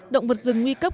động vật rừng nguy cấp